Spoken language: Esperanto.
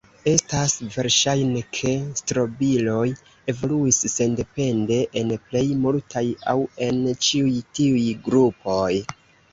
Estas verŝajne ke strobiloj evoluis sendepende en plej multaj aŭ en ĉiuj tiuj grupoj.